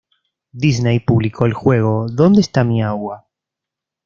Disney publicó el juego ¿Dónde esta mi agua?